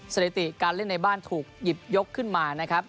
สถิติการเล่นในบ้านถูกหยิบยกขึ้นมานะครับ